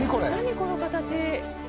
この形。